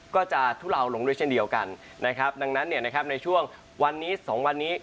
ก็จะทุเลาลงด้วยเช่นเดียวกันนะครับดังนั้นเนี่ยนะครับในช่วงวันนี้๒วันนี้